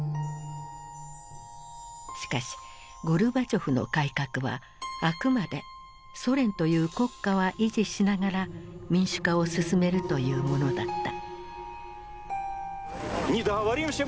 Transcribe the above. しかしゴルバチョフの改革はあくまでソ連という国家は維持しながら民主化を進めるというものだった。